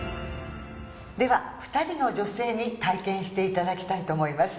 では２人の女性に体験していただきたいと思います。